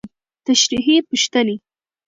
تشريحي پوښتنې: